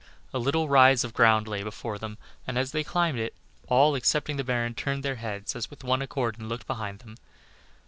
A little rise of ground lay before them, and as they climbed it, all, excepting the baron, turned their heads as with one accord and looked behind them.